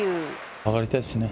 上がりたいですね。